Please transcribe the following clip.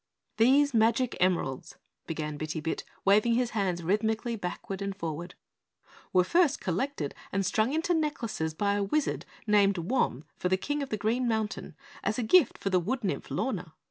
"These magic emeralds," began Bitty Bit, waving his hands rhythmically backward and forward, "were first collected and strung into necklaces by a wizard named Wam for the King of the Green Mountain as a gift for the wood nymph Lorna.